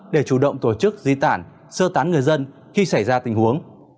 để chủ động tổ chức di tản sơ tán người dân khi xảy ra tình huống